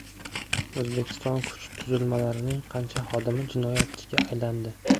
O‘zbekiston kuch tuzilmalarining qancha xodimi jinoyatchiga aylandi?